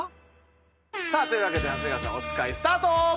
さあというわけで長谷川さんおつかいスタート！